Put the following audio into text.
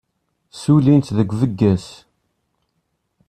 Ssullint deg Vegas.